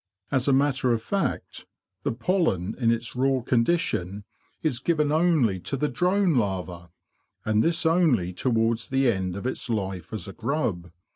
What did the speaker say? As a matter of fact, the pollen in its raw condition is given only to the drone larva, and this only towards the end of its life as a grub.